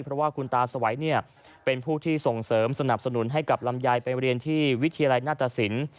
เพราะว่าคุณตาสวัยเป็นผู้ที่ส่งเสริมสนับสนุนให้กับลำไยไปเรียนที่วิทยาลัยหน้าตสิน